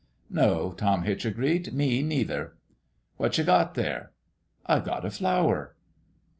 " No," Tom Hitch agreed ;" me neither." " What you got there ?"" I got a flower."